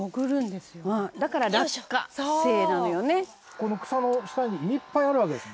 この草の下にいっぱいあるわけですね？